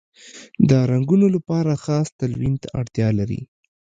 د رنګولو لپاره خاص تلوین ته اړتیا لري.